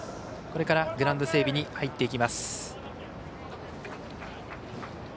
これからグラウンド整備に入っていきます。